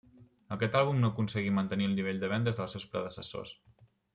Aquest àlbum no aconseguí mantenir el nivell de vendes dels seus predecessors.